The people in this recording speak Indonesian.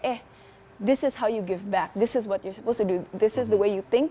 eh ini cara kamu berpikir ini apa yang harus kamu lakukan ini cara kamu berpikir